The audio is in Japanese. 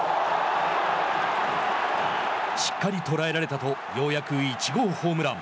しっかり捉えられたとようやく１号ホームラン。